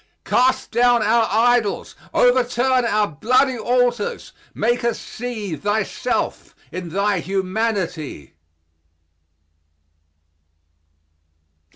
"Cast down our idols overturn Our bloody altars make us see Thyself in Thy humanity!"